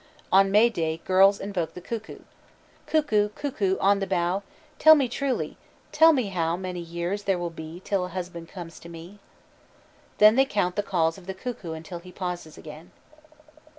On May Day girls invoke the cuckoo: "Cuckoo! cuckoo! on the bough, Tell me truly, tell me how Many years there will be Till a husband comes to me." Then they count the calls of the cuckoo until he pauses again.